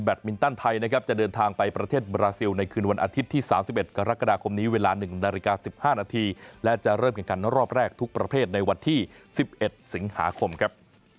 มินตันไทยนะครับจะเดินทางไปประเทศบราซิลในคืนวันอาทิตย์ที่๓๑กรกฎาคมนี้เวลา๑นาฬิกา๑๕นาทีและจะเริ่มแข่งขันรอบแรกทุกประเภทในวันที่๑๑สิงหาคมครับ